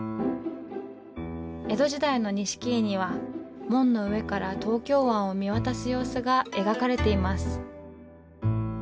江戸時代の錦絵には門の上から東京湾を見渡す様子が描かれています。